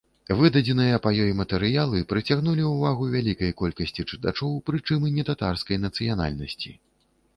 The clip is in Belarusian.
Выдадзеныя па ёй матэрыялы прыцягнулі ўвагу вялікай колькасці чытачоў, прычым і нетатарскай нацыянальнасці.